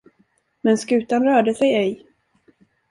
Men skutan rörde sig ej.